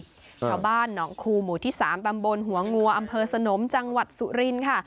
ชาวบ้านหนองคูหมู่ที่๓ตำบลหัวงัวอำเภอสนมจังหวัดสุรินค่ะ